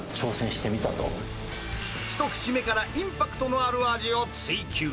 一口目からインパクトのある味を追求。